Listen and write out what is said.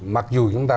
mặc dù chúng ta